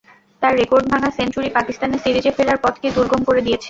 তাঁর রেকর্ড ভাঙা সেঞ্চুরি পাকিস্তানের সিরিজে ফেরার পথকে দুর্গম করে দিয়েছে।